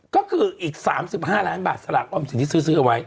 ก็คืออีก๓๕ล้านบาทสลากออมสินที่ซื้อเอาไว้